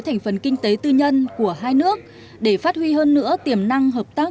thành phần kinh tế tư nhân của hai nước để phát huy hơn nữa tiềm năng hợp tác